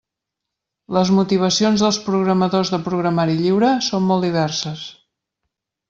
Les motivacions dels programadors de programari lliure són molt diverses.